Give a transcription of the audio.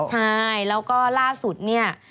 ใช่แล้วก็ล่าสุดเนี่ย